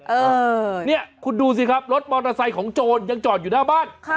เออเนี่ยคุณดูสิครับรถมอเตอร์ไซค์ของโจรยังจอดอยู่หน้าบ้าน